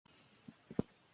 استعداد کمېږي نه.